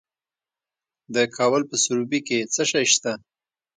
د کابل په سروبي کې څه شی شته؟